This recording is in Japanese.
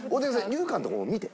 優香のとこも見て。